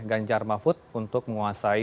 ganjar mahfud untuk menguasai